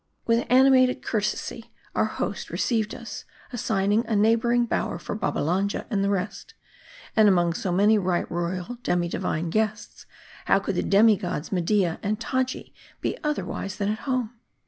* With animated courtesy our host received us ; assign ing a neighboring bower for Babbalanja and the rest ; and among so many right royal, demi divine guests, how could the demi gods Media and Taji be otherwise than at home?